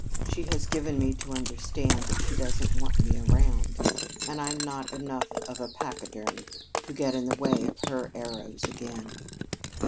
She has given me to understand that she doesn't want me around, and I'm not enough of a pachyderm to get in the way of her arrows again."